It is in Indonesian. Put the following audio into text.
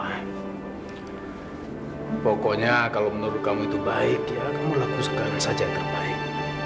ah pokoknya kalau menurut kamu itu baik ya kamu lakukan saja yang terbaik